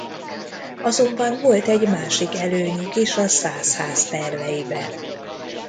Azonban volt egy másik előnyük is a Szász-ház terveiben.